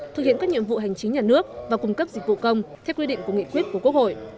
thực hiện các nhiệm vụ hành chính nhà nước và cung cấp dịch vụ công theo quy định của nghị quyết của quốc hội